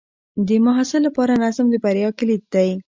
د محصل لپاره نظم د بریا کلید دی.